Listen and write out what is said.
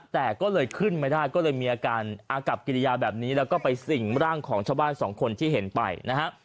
แต่ก็เลยขึ้นไม่ได้ก็เลยมีอาการอากับกิริยาแบบนี้แล้วก็ไปสิ่งร่างของชาวบ้านสองคนที่เห็นไปนะฮะ